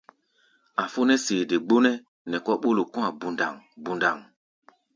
A̧ fó nɛ́ sede gbónɛ́ nɛ kɔ̧ ɓólo kɔ̧́-a̧ bundaŋ-bundaŋ.